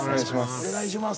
お願いします。